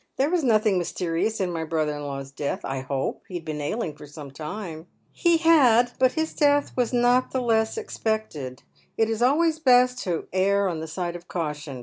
" There was nothing mysterious in my brother in law's death, I hope. He had been ailing for some time." " He had ; but his death was not the less unexpected. It is always best to err on the side of caution.